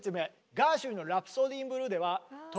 ガーシュウィンの「ラプソディー・イン・ブルー」ではハハハハ。